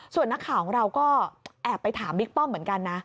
ส่วนนักข่าวของเราก็แอบไปถามบิ๊กป้อมเหมือนกันนะ